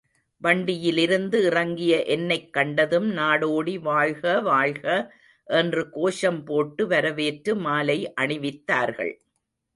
வண்டியிலிருந்து இறங்கிய என்னைக் கண்டதும், நாடோடி வாழ்க வாழ்க என்று கோஷம் போட்டு வரவேற்று மாலை அணிவித்தார்கள்.